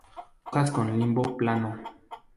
Hojas con limbo plano.